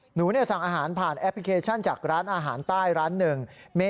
หนูสั่งอาหารผ่านแอปพลิเคชันจากร้านอาหารใต้ร้านหนึ่ง